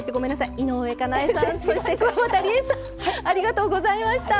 井上かなえさんそしてくわばたりえさんありがとうございました。